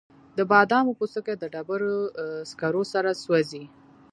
د بادامو پوستکي د ډبرو سکرو سره سوځي؟